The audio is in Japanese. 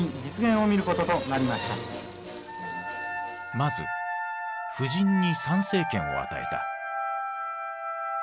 まず婦人に参政権を与えた。